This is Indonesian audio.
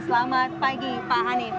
selamat pagi pak hanif